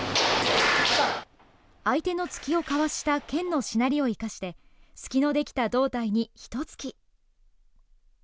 相手の突きをかわした剣のしなりを生かして、隙の出来た胴体に一突き。